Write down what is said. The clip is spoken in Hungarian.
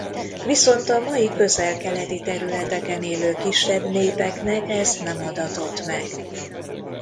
Viszont a mai közel-keleti területeken élő kisebb népeknek ez nem adatott meg.